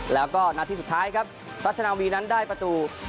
แล้วก็นัดที่สุดท้ายครับรัชนาวีนั้นได้ประตู